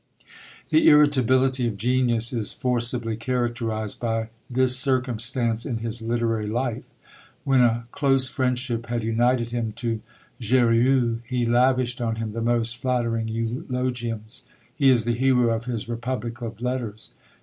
The irritability of genius is forcibly characterised by this circumstance in his literary life. When a close friendship had united him to Jurieu, he lavished on him the most flattering eulogiums: he is the hero of his "Republic of Letters."